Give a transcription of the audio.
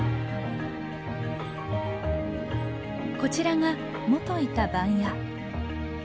こちらが元いた番屋。